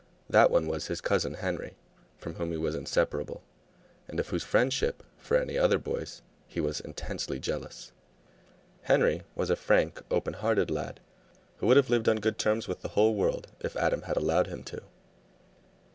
That one was his cousin Henry, from whom he was inseparable, and of whose friendship for any other boys he was intensely jealous. Henry was a frank, open hearted lad who would have lived on good terms with the whole world if Adam had allowed him to.